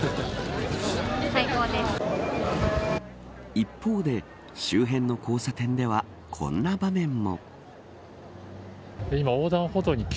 一方で周辺の交差点ではこんな場面も。